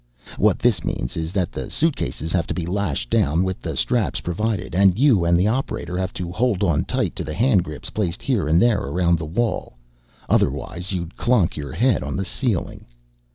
What this means is that the suitcases have to be lashed down with the straps provided, and you and the operator have to hold on tight to the hand grips placed here and there around the wall. Otherwise, you'd clonk your head on the ceiling.